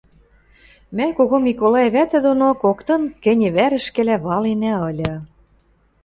Мӓ Кого Миколай вӓтӹ доно коктын кӹне вӓрӹшкӹлӓ валенӓ ыльы.